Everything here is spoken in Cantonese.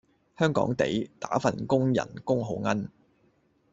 香港地，打份工人工好奀